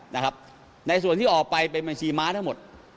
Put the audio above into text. ในส่วนที่ออกไปเป็นบัญชีม้าทั้งหมด